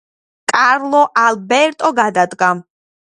კარლო ალბერტო გადადგა.